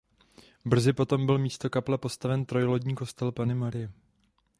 Brzy potom byl místo kaple postaven trojlodní kostel Panny Marie.